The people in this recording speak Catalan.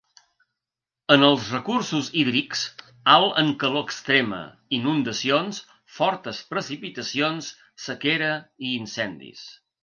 En els recursos hídrics, alt en calor extrema, inundacions, fortes precipitacions, sequera i incendis.